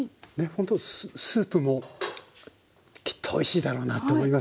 ほんとスープもきっとおいしいだろうなと思いますよね。